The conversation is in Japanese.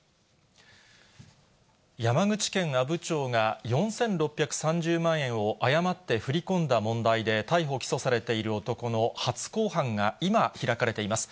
山口県阿武町が、４６３０万円を誤って振り込んだ問題で、逮捕・起訴されている男の初公判が今、開かれています。